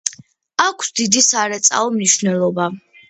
აქვს დიდი სარეწაო მნიშვნელობა.